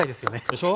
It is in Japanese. でしょ。